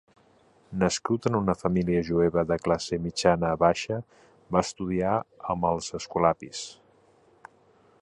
Nascut en una família jueva de classe mitjana-baixa, va estudiar amb els escolapis.